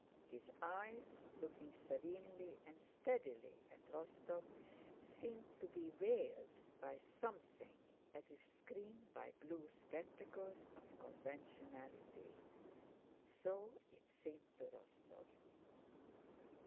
His eyes, looking serenely and steadily at Rostóv, seemed to be veiled by something, as if screened by blue spectacles of conventionality. So it seemed to Rostóv.